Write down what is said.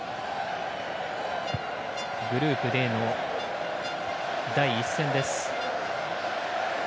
グループＤの第１戦です。